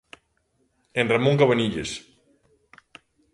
En Ramón Cabanillas.